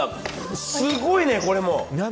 すごいね、これも。